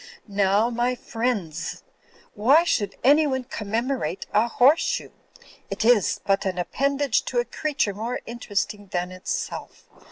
Now, my friendss, why should anyone commemorate a horse shoe? It iss but an appendage to a creature more interesting than itself.